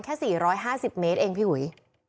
แค่๔๕๐เมตรเองพี่หุย